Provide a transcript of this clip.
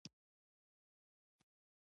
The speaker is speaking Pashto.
ښه تحلیل د بازار حرکتونه څرګندوي.